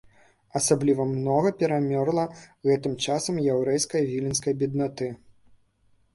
Асабліва многа перамёрла гэтым часам яўрэйскае віленскае беднаты.